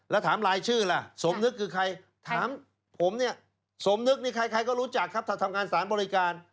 แล้วถามรายชื่อล่ะสมนึกคือใครถามผมเนี่ยสมนึกนี่ใครก็รู้จักครับถ้าทำงานสารบริการ